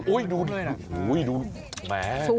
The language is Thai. โอ้ยดูแหม